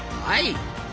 はい！